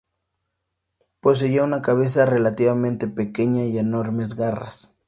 Poseía una cabeza relativamente pequeña y enormes garras.